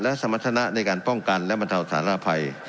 และสมรรถนะในการป้องกันและบรรเทาสารภัย